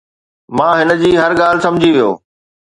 مان هن جي هر ڳالهه سمجهي ويو